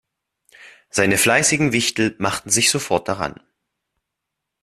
Seine fleißigen Wichtel machten sich sofort daran.